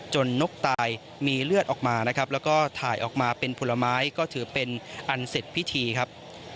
นกตายมีเลือดออกมานะครับแล้วก็ถ่ายออกมาเป็นผลไม้ก็ถือเป็นอันเสร็จพิธีครับ